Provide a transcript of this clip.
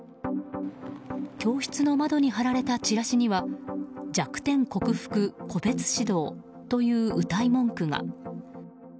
教室の窓に貼られたチラシには弱点克服個別指導といううたい文句が。